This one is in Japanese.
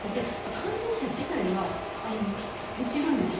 感染者自体は減ってるんですよ。